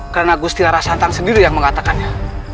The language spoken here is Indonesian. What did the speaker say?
karena gusti rarasantau sendiri yang mengatakannya